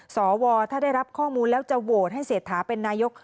สวถ้าได้รับข้อมูลแล้วจะโหวตให้เศรษฐาเป็นนายก